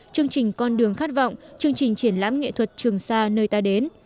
chương trình con đường khát vọng chương trình triển lãm nghệ thuật trường sa nơi ta đến